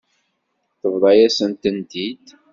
Tebḍa-yasent-tent-id.